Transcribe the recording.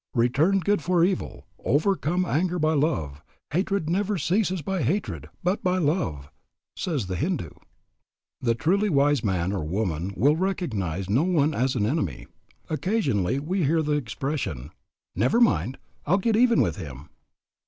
"Return good for evil, overcome anger by love; hatred never ceases by hatred, but by love," says the Hindu. The truly wise man or woman will recognize no one as an enemy. Occasionally we hear the expression, "Never mind; I'll get even with him."